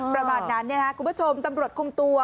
ประมาณนั้นคุณผู้ชมตำรวจคุมตัว